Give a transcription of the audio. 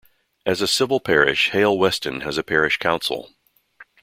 As a civil parish, Hail Weston has a parish council.